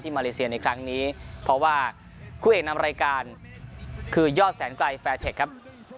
มาเลเซียในครั้งนี้เพราะว่าคู่เอกนำรายการคือยอดแสนไกลแฟร์เทคครับ